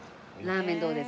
ラーメン。